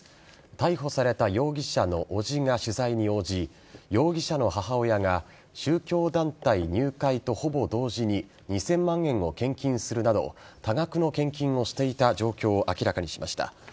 逮捕された容疑者の伯父が取材に応じ容疑者の母親が宗教団体入会とほぼ同時に２０００万円を献金するなど多額の献金をしていた状況を明らかにしました。